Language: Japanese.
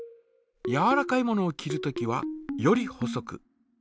やわらかいものを切るときはより細く。